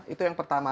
itu yang pertama